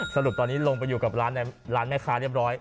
สรุปตอนนี้ลงไปอยู่กับร้านแม่ค้าเรียบร้อย